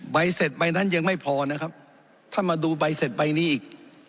ใบเสร็จใบนั้นยังไม่พอนะครับถ้ามาดูใบเสร็จใบนี้อีก